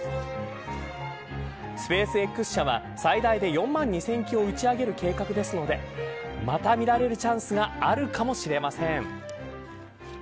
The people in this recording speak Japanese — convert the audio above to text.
スペースＸ社は最大で４万２０００機を打ち上げる計画ですのでまた見られるチャンスがあるかもしれません。